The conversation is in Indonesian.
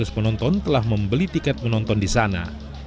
dua ratus penonton telah membeli tiket menonton di sana